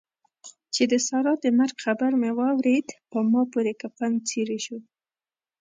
چې د سارا د مرګ خبر مې واورېد؛ په ما پورې کفن څيرې شو.